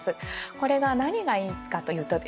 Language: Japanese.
これが何がいいかというとですね